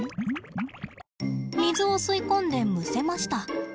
水を吸い込んでむせました。